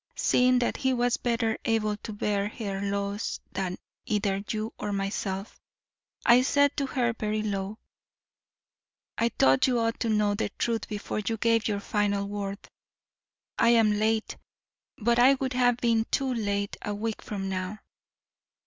Seeing that he was better able to bear her loss than either you or myself, I said to her very low, "I thought you ought to know the truth before you gave your final word. I am late, but I would have been TOO LATE a week from now."